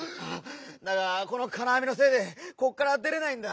だがこの金あみのせいでこっから出れないんだ。